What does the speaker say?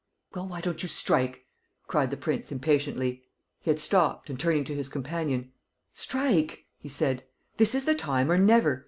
"Well, why don't you strike?" cried the prince, impatiently. He had stopped and, turning to his companion: "Strike!" he said. "This is the time or never.